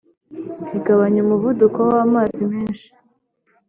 igabanya umuvuduko w’amazi menshi